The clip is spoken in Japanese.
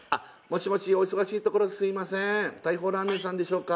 もしもしお忙しいところすいません